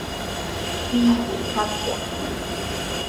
比伊較勥